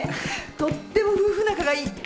とっても夫婦仲がいい。